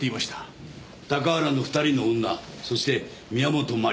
高原の２人の女そして宮本真理